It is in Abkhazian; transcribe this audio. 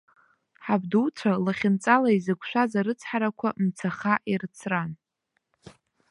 Ҳабдуцәа лахьынҵала изықәшәаз арыцҳарақәа мцаха ирыцран.